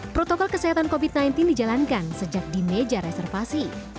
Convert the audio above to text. protokol kesehatan covid sembilan belas dijalankan sejak di meja reservasi